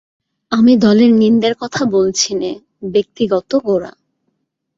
আমি দলের নিন্দের কথা বলছি নে– ব্যক্তিগত– গোরা।